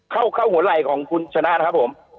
เข้าหัวไหล่ของคุณชนะครับผม